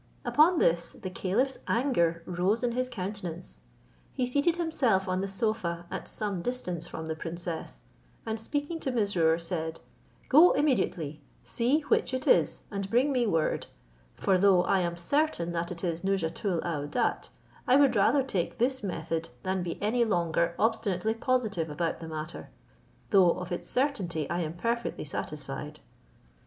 Upon this the caliph's anger rose in his countenance. He seated himself on the sofa at some distance from the princess, and speaking to Mesrour, said, "Go immediately, see which it is, and bring me word; for though I am certain that it is Nouzhatoul aouadat, I would rather take this method than be any longer obstinately positive about the matter, though of its certainty I am perfectly satisfied."